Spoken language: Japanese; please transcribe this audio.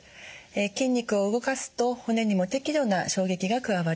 筋肉を動かすと骨にも適度な衝撃が加わります。